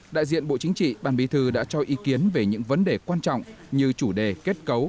đại diện bộ chính trị ban bí thư đã cho ý kiến về những vấn đề quan trọng như chủ đề kết cấu